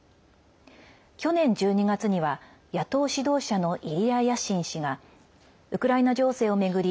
去年１２月には野党指導者のイリヤ・ヤシン氏がウクライナ情勢を巡り